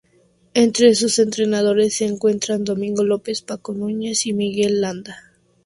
Entre sus entrenadores se encuentran Domingo López, Paco Núñez y Luis Miguel Landa.